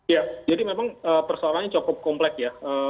ya jadi memang persoalannya cukup komplek ya